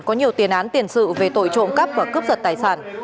có nhiều tiền án tiền sự về tội trộm cắp và cướp giật tài sản